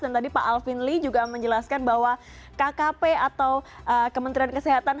dan tadi pak alvin lee juga menjelaskan bahwa kkp atau kementerian kesehatan